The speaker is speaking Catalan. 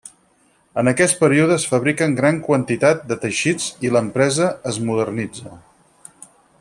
En aquest període es fabriquen gran quantitat de teixits i l'empresa es modernitza.